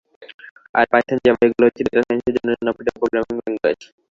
আর, Python, Java এগুলো হচ্ছে data সাইন্সের জন্য জনপ্রিয় প্রোগ্রামিং ল্যাংগুয়েজ।